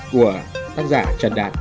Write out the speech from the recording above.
của tác giả trần đạt